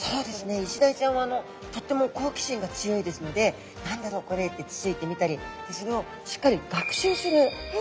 イシダイちゃんはとっても好奇心が強いですので「何だろう？これ」ってつついてみたりそれをしっかり学習する能力もありますので。